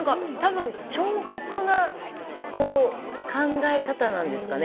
彫刻みたいな考え方なんですかね。